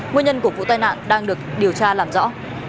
nguyên nhân của vụ tai nạn đang được điều tra làm rõ